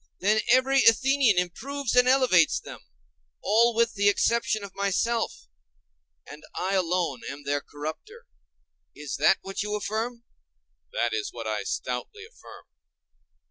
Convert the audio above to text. Then every Athenian improves and elevates them; all with the exception of myself; and I alone am their corrupter? Is that what you affirm? That is what I stoutly affirm.